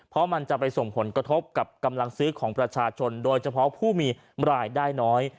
เพราะมันจะไปส่งผลกระทบกับกำลังซื้อของประชาชนโดยเฉพาะผู้มีรายได้น้อย